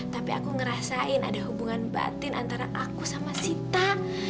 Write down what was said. tapi aku ngerasain ada hubungan batin antara aku sama sita